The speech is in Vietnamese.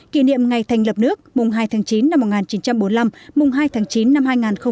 kỷ niệm ngày thành lập nước mùng hai tháng chín năm một nghìn chín trăm bốn mươi năm mùng hai tháng chín năm hai nghìn hai mươi